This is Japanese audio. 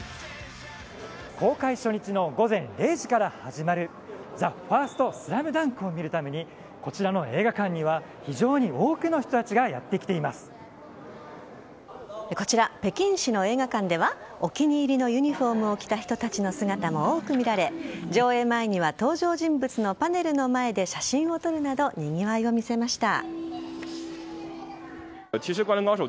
公開初日の午前０時から始まる「ＴＨＥＦＩＲＳＴＳＬＡＭＤＵＮＫ」を見るためにこちらの映画館には非常に多くの人たちがこちら、北京市の映画館ではお気に入りのユニホームを着た人たちの姿も多く見られ上映前には登場人物のパネルの前で写真を撮るなどにぎわいを見せました。